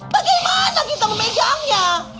bagaimana kita memegangnya